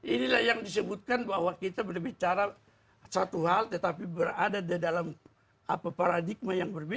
inilah yang disebutkan bahwa kita berbicara satu hal tetapi berada di dalam paradigma yang berbeda